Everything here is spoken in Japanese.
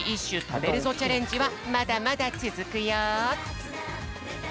たべるぞチャレンジ」はまだまだつづくよ。